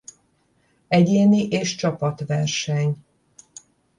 Egyéni és csapatverseny.